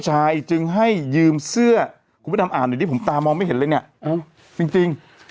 ชายจึงให้ยืมเสื้อกูไปทำอ่านดิผมตามไม่เห็นเลยเนี่ยจริง